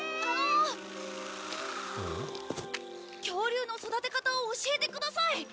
恐竜の育て方を教えてください。